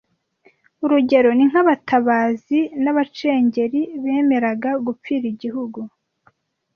Urugero ni nk’abatabazi n’abacengeri bemeraga gupfira Igihugu